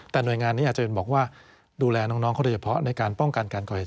แต่หน่วยงานนี้อาจจะเป็นบอกว่าดูแลน้องเขาโดยเฉพาะในการป้องกันการก่อเหตุ